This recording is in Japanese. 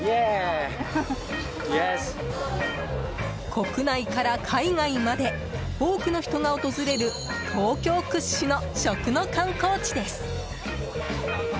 国内から海外まで多くの人が訪れる東京屈指の食の観光地です。